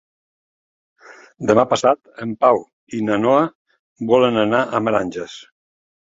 Demà passat en Pau i na Noa volen anar a Meranges.